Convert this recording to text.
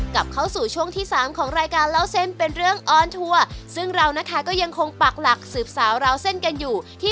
กลับเข้าสู่ช่วงที่สามของรายการเล่าเส้นเป็นเรื่องออนทัวร์ซึ่งเรานะคะก็ยังคงปักหลักสืบสาวราวเส้นกันอยู่ที่